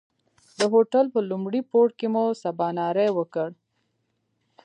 د هوټل په لومړي پوړ کې مو سباناری وکړ.